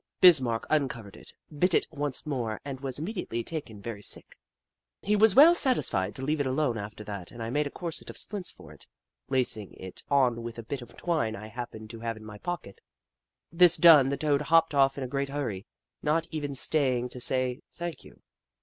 Bismarck uncovered it, bit it once more, and was immediately taken very sick. He was well satisfied to leave it alone after that, and I made a corset of splints for it, lacing it on with a bit of twine I happened to have in my pocket. This done, the Toad hopped off in a great hurry, not even staying to say " thank you."